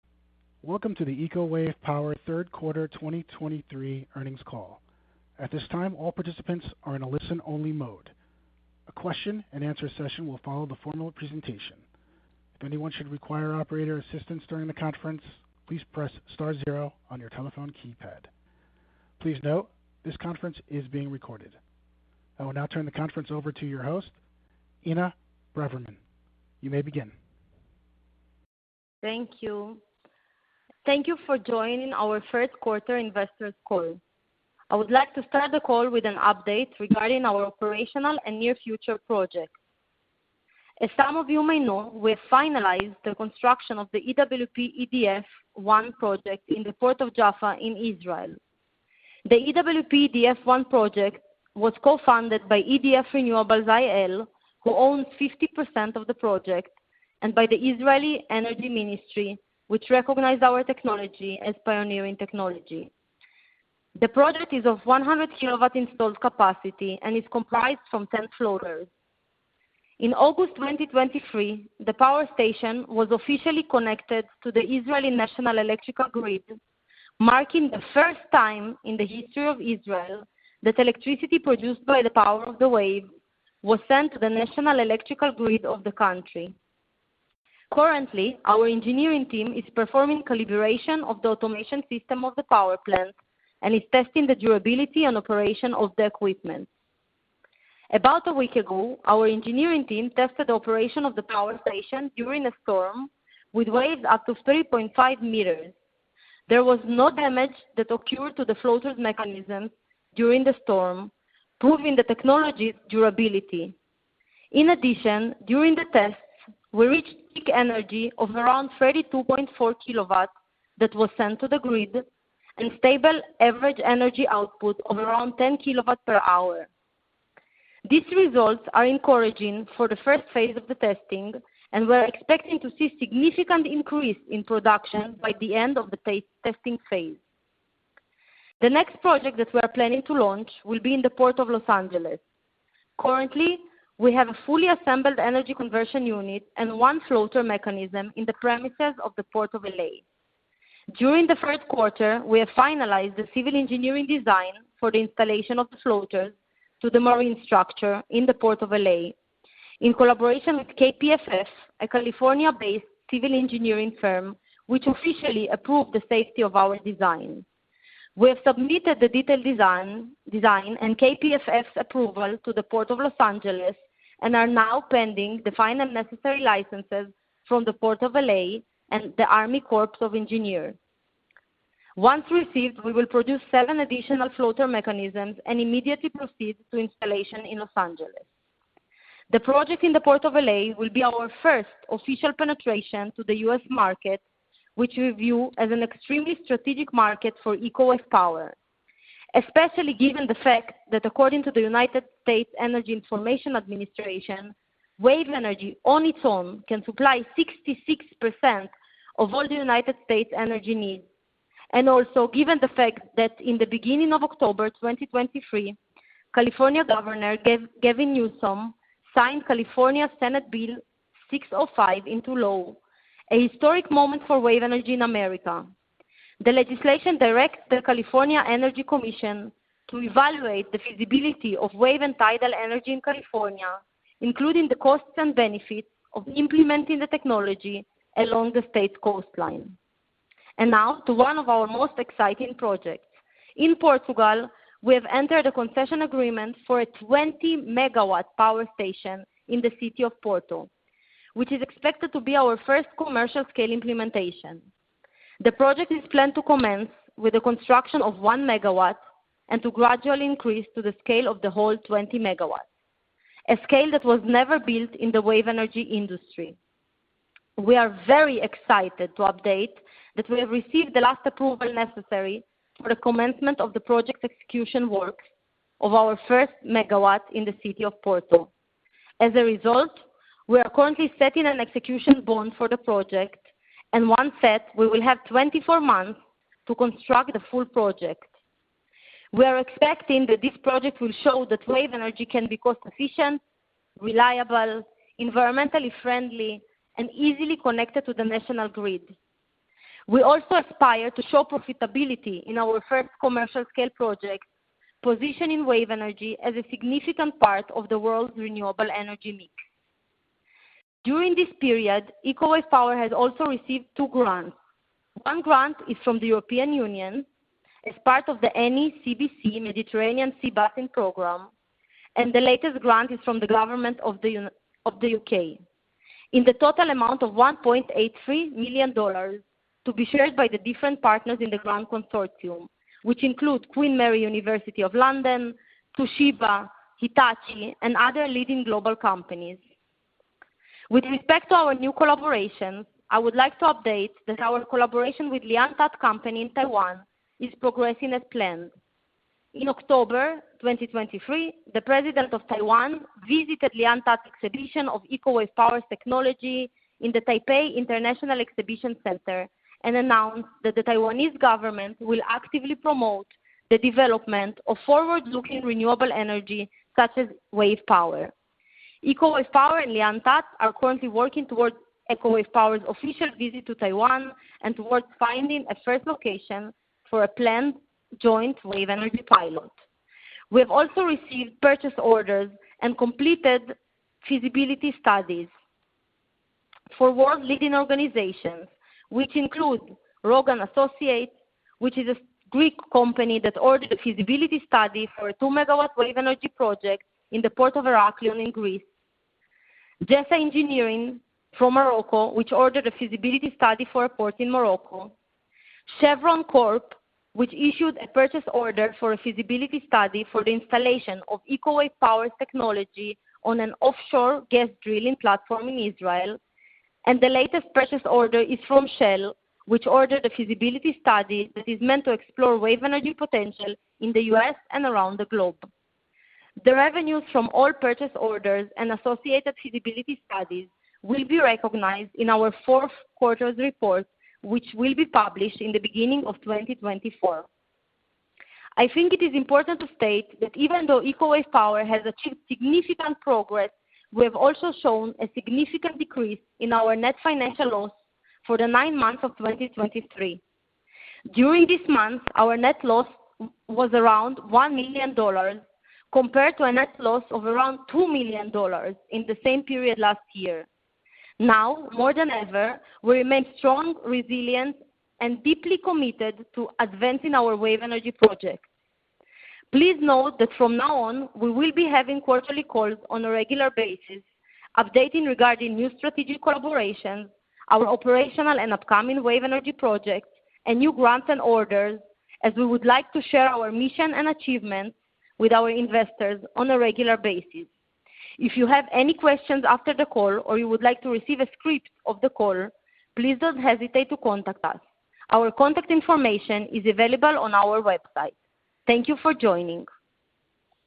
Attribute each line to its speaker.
Speaker 1: Welcome to the Eco Wave Power Third Quarter 2023 Earnings Call. At this time, all participants are in a listen-only mode. A question-and-answer session will follow the formal presentation. If anyone should require operator assistance during the conference, please press Star Zero on your telephone keypad. Please note, this conference is being recorded. I will now turn the conference over to your host, Inna Braverman. You may begin.
Speaker 2: Thank you. Thank you for joining our first quarter investors call. I would like to start the call with an update regarding our operational and near future projects. As some of you may know, we have finalized the construction of the EWP-EDF One project in the Port of Jaffa in Israel. The EWP-EDF One project was co-funded by EDF Renewables Israel, who owns 50% of the project, and by the Israeli Ministry of Energy, which recognized our technology as pioneering technology. The project is of 100 kW installed capacity and is comprised from 10 floaters. In August 2023, the power station was officially connected to the Israeli national electrical grid, marking the first time in the history of Israel that electricity produced by the power of the wave was sent to the national electrical grid of the country. Currently, our engineering team is performing calibration of the automation system of the power plant and is testing the durability and operation of the equipment. About a week ago, our engineering team tested the operation of the power station during a storm with waves up to 3.5 meters. There was no damage that occurred to the floater's mechanism during the storm, proving the technology's durability. In addition, during the tests, we reached peak energy of around 32.4 kW that was sent to the grid and stable average energy output of around 10 kWh. These results are encouraging for the first phase of the testing, and we are expecting to see significant increase in production by the end of the testing phase. The next project that we are planning to launch will be in the Port of Los Angeles. Currently, we have a fully assembled energy conversion unit and one floater mechanism in the premises of the Port of L.A. During the first quarter, we have finalized the civil engineering design for the installation of the floaters to the marine structure in the Port of L.A., in collaboration with KPFF, a California-based civil engineering firm, which officially approved the safety of our design. We have submitted the detailed design and KPFF's approval to the Port of Los Angeles and are now pending the final necessary licenses from the Port of L.A. and the Army Corps of Engineers. Once received, we will produce seven additional floater mechanisms and immediately proceed to installation in Los Angeles. The project in the Port of L.A. will be our first official penetration to the U.S. market, which we view as an extremely strategic market for Eco Wave Power. Especially given the fact that according to the United States Energy Information Administration, wave energy on its own can supply 66% of all the United States energy needs. Also, given the fact that in the beginning of October 2023, California Governor Gavin Newsom signed California Senate Bill 605 into law, a historic moment for wave energy in America. The legislation directs the California Energy Commission to evaluate the feasibility of wave and tidal energy in California, including the costs and benefits of implementing the technology along the state's coastline. Now to one of our most exciting projects. In Portugal, we have entered a concession agreement for a 20-MW power station in the city of Porto, which is expected to be our first commercial-scale implementation. The project is planned to commence with the construction of 1 MW and to gradually increase to the scale of the whole 20 MW, a scale that was never built in the wave energy industry. We are very excited to update that we have received the last approval necessary for the commencement of the project execution work of our first 1 MW in the city of Porto. As a result, we are currently setting an execution bond for the project, and once set, we will have 24 months to construct the full project. We are expecting that this project will show that wave energy can be cost-efficient, reliable, environmentally friendly, and easily connected to the national grid. We also aspire to show profitability in our first commercial scale project, positioning wave energy as a significant part of the world's renewable energy mix. During this period, Eco Wave Power has also received two grants. One grant is from the European Union as part of the NI CBC Mediterranean Sea Basin Program, and the latest grant is from the government of the U.K. In the total amount of $1.83 million to be shared by the different partners in the grant consortium, which include Queen Mary University of London, Toshiba, Hitachi, and other leading global companies. With respect to our new collaborations, I would like to update that our collaboration with Lian Tat Company in Taiwan is progressing as planned. In October 2023, the President of Taiwan visited Lian Tat's exhibition of Eco Wave Power technology in the Taipei International Exhibition Center and announced that the Taiwanese government will actively promote the development of forward-looking renewable energy, such as wave power. Wave Power and Lian Tat are currently working towards Eco Wave Power's official visit to Taiwan and towards finding a first location for a planned joint wave energy pilot. We have also received purchase orders and completed feasibility studies for world-leading organizations, which include Rogan Associates, which is a Greek company that ordered a feasibility study for a 2-MW wave energy project in the Port of Heraklion in Greece, JESA Engineering from Morocco, which ordered a feasibility study for a port in Morocco, Chevron Corp, which issued a purchase order for a feasibility study for the installation of Eco Wave Power technology on an offshore gas drilling platform in Israel, and the latest purchase order is from Shell, which ordered a feasibility study that is meant to explore wave energy potential in the U.S. and around the globe. The revenues from all purchase orders and associated feasibility studies will be recognized in our fourth quarter's report, which will be published in the beginning of 2024. I think it is important to state that even though Eco Wave Power has achieved significant progress, we have also shown a significant decrease in our net financial loss for the nine months of 2023. During this month, our net loss was around $1 million, compared to a net loss of around $2 million in the same period last year. Now, more than ever, we remain strong, resilient, and deeply committed to advancing our wave energy projects. Please note that from now on, we will be having quarterly calls on a regular basis, updating regarding new strategic collaborations, our operational and upcoming wave energy projects, and new grants and orders, as we would like to share our mission and achievements with our investors on a regular basis. If you have any questions after the call or you would like to receive a script of the call, please don't hesitate to contact us. Our contact information is available on our website. Thank you for joining.